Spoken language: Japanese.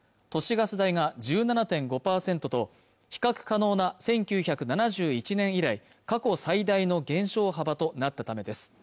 ガス代が１７．５％と比較可能な１９７１年以来過去最大の減少幅となったためです